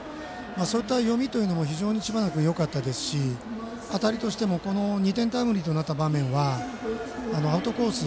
そういった読みというのも知花君、非常によかったですし当たりとしても２点タイムリーとなった場面はアウトコース